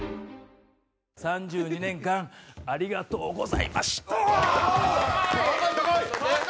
３２年間ありがとうございました。